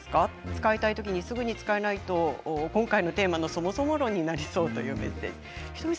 使いたいときにすぐに使えないと今回のテーマはそもそも論になりそう。